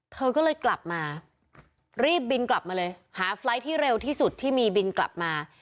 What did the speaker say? เธอก็เลยกลับมารีบบินกลับมาเลยหาไฟล์ทที่เร็วที่สุดที่มีบินกลับมา